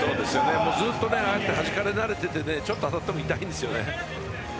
ずっとはじかれ慣れててちょっと当たっても痛いんですね。